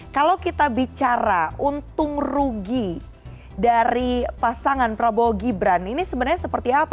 kalau kita bicara untung rugi dari pasangan prabowo gibran ini sebenarnya seperti apa